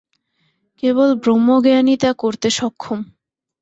কেবল ব্রহ্মজ্ঞানই তা করতে সক্ষম।